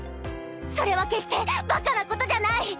それは決してバカなことじゃない！